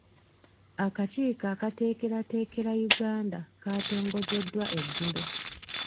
Akakiiko akateekerateekera Uganda kaatongozeddwa eggulo.